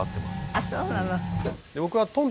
あっそうなの。